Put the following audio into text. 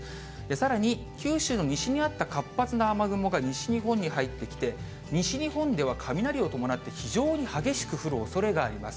さらに、九州の西にあった活発な雨雲が西日本に入ってきて、西日本では雷を伴って非常に激しく降るおそれがあります。